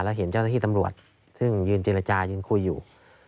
แล้วเห็นเจ้าหน้าที่ตำรวจซึ่งยืนเจรจายืนคุยอยู่